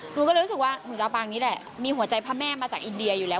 หนูก็เลยรู้สึกว่าหนูจะเอาปางนี้แหละมีหัวใจพระแม่มาจากอินเดียอยู่แล้ว